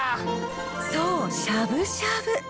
そうしゃぶしゃぶ。